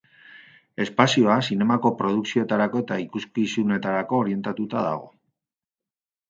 Espazioa zinemako produkzioetarako eta ikuskizunetarako orientatuta dago.